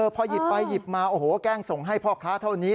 พอหยิบไปหยิบมาโอ้โหแกล้งส่งให้พ่อค้าเท่านี้